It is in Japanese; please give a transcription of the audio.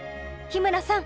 日村さん。